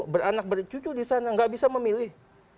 beranak bercucu di sana nggak bisa memilih